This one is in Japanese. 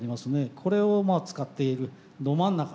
これをまあ使っているど真ん中ですね。